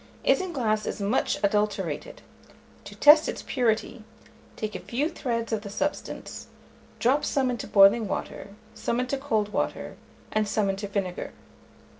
Isinglass is much adulterated: to test its purity, take a few threads of the substance, drop some into boiling water, some into cold water, and some into vinegar.